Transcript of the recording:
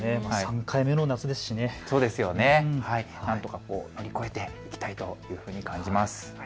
３回目の夏ですしね、なんとか乗り越えていきたいと感じます。